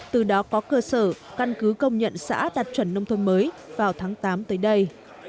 từ đó có cơ sở căn cứ công nhận xã đạt chuẩn nông thôn mới vào tháng tám tới đây